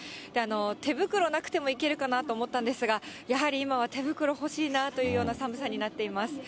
手袋なくてもいけるかなと思ったんですが、やはり今は手袋欲しいなというような寒さになっています。